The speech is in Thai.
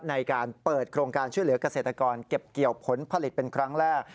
ในการเปิดโครงการช่วยเหลือกเกษตรกรเก็บเกี่ยวผลผลิตเป็นครั้งแรก